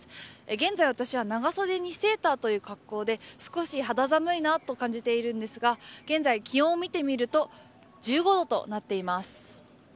現在私は、長袖にセーターという格好で少し肌寒いなと感じているんですが現在、気温を見てみると１５度となっています。